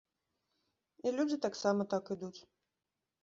І людзі таксама так ідуць.